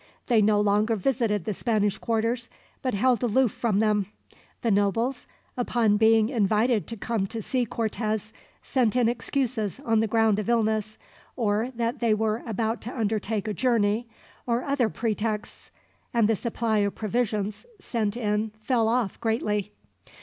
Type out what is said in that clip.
They no longer visited the Spanish quarters, but held aloof from them. The nobles, upon being invited to come to see Cortez, sent in excuses on the ground of illness, or that they were about to undertake a journey, or other pretexts, and the supply of provisions sent in fell off greatly.